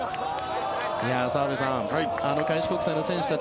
澤部さん、開志国際の選手たち